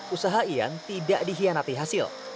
usaha ian tidak dihianati hasil